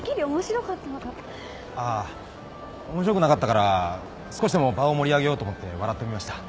面白くなかったから少しでも場を盛り上げようと思って笑ってみました。